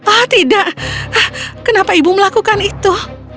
oh tidak kenapa ibu melakukan itu